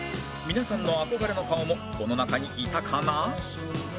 皆さんの憧れの顔もこの中にいたかな？